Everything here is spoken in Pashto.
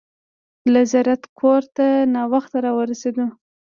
له زیارته کور ته ناوخته راورسېدو.